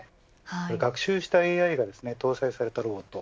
学習したＡＩが搭載されたロボット。